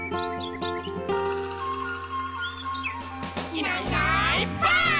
「いないいないばあっ！」